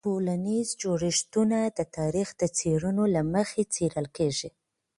د ټولنیز جوړښتونه د تاریخ د څیړنو له مخې څیړل کېږي.